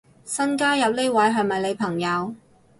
新加入呢位係咪你朋友